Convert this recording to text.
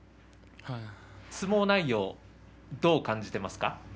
相撲内容、どう感じてますか？